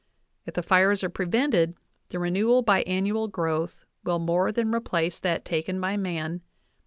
... If the fires are* prevented, the renewal by annual growth will more than replace that taken by man.